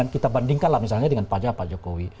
kita bandingkan lah misalnya dengan pak jokowi